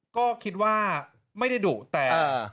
ก็คิดว่าไม่ได้ดุแต่